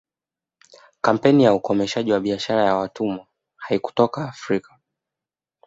Kampeni ya ukomeshaji wa biashara ya watumwa haikutoka Afrika